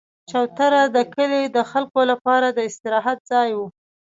چوتره د کلي د خلکو لپاره د استراحت ځای وو.